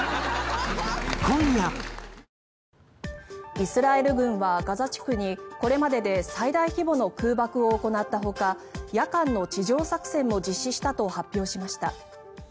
イスラエル軍はガザ地区にこれまでで最大規模の空爆を行ったほか夜間の地上作戦も実施したと発表しました。